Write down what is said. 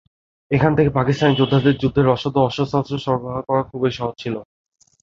এখান থেকে পাকিস্তানি যোদ্ধাদের যুদ্ধের রসদ ও অস্ত্রশস্ত্র সরবরাহ করা খুবই সহজ ছিল।